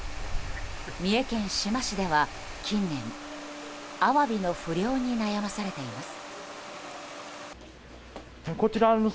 三重県志摩市では近年、アワビの不漁に悩まされています。